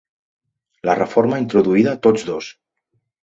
La reforma introduïda tots dos.